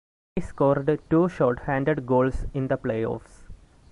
He scored two short-handed goals in the playoffs.